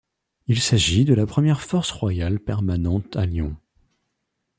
Il s'agit de la première force royale permanente à Lyon.